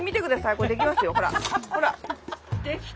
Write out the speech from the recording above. これできますよほらほら。